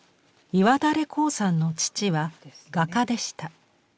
岩垂紅さんの父は画家でした。